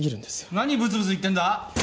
なにブツブツ言ってんだ？